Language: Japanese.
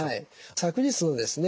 昨日ですね